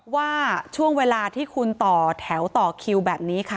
ว่าช่วงเวลาที่คุณต่อแถวต่อคิวแบบนี้ค่ะ